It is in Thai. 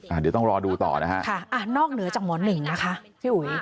เดี๋ยวต้องรอดูต่อนะฮะค่ะอ่ะนอกเหนือจากหมอหนึ่งนะคะพี่อุ๋ย